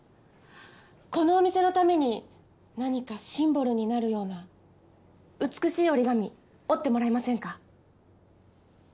このお店のために何かシンボルになるような美しい折り紙折ってもらえませんか？